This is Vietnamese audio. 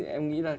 em nghĩ là